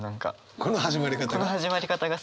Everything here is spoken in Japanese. この始まり方が？